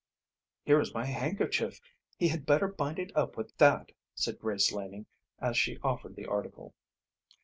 "Here is my handkerchief; he had better bind it up with that," said Grace Laning, as she offered the article.